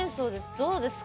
どうですか？